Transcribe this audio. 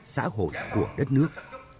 xã hội của đất nước